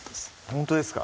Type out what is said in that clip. ほんとですか？